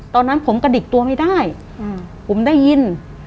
ตอนนั้นผมกระดิกตัวไม่ได้ผมได้ยิน